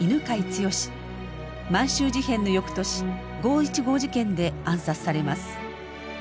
満州事変の翌年５．１５事件で暗殺されます。